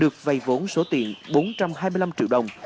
được vây vốn số tiền bốn trăm hai mươi năm triệu đồng